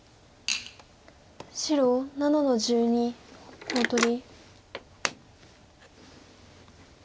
白７の十二コウ取り。